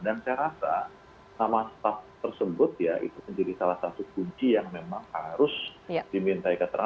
dan saya rasa sama staff tersebut ya itu sendiri salah satu kunci yang memang harus diminta ikat terang